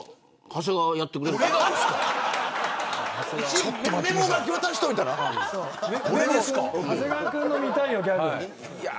長谷川君の見たいよ、ギャグ。